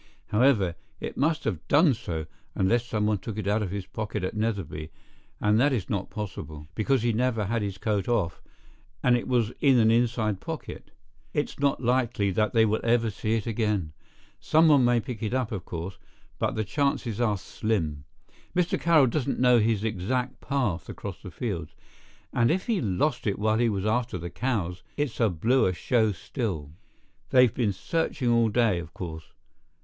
However, it must have done so—unless someone took it out of his pocket at Netherby, and that is not possible, because he never had his coat off, and it was in an inside pocket. It's not likely that they will ever see it again. Someone may pick it up, of course, but the chances are slim. Mr. Carroll doesn't know his exact path across the fields, and if he lost it while he was after the cows, it's a bluer show still. They've been searching all day, of course.